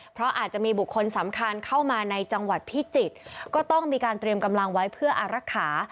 เพราะอาจจะมีบุคคลสำคัญเข้ามาในจังหวัดพิจิตรก็ต้องมีการเตรียมกำลังไว้เพื่ออารักษา